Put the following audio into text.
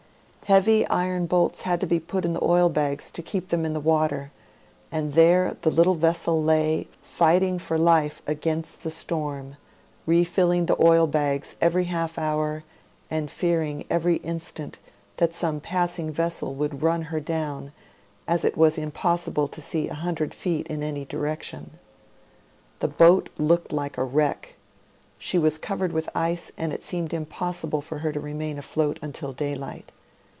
Heavy iron bolts had to be put in the oil bags to keep them in the water, and there the little vessel lay, fighting for life against the storm, refilling the oil bags every half hour, and fearing every instant that some passing vessel would I'un her down, as it was impossible to see a hundred feet in any direction. The boat looked like a wreck; she was covered with ice and it seemed impossible for her to remain afloat until daylight.